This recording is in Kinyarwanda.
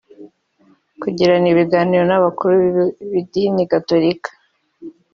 kugirana ibiganiro n’abakuru b’idini gatolika